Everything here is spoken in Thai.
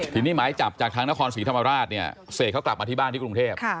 ทีนี้หมายจับจากทางนครศรีธรรมราชเนี่ยเสกเขากลับมาที่บ้านที่กรุงเทพ